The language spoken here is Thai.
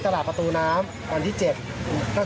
ความนะทรงเพื่อนผู้เคยต้องการใจ